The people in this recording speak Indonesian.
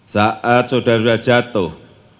saat saudara saudara jatuh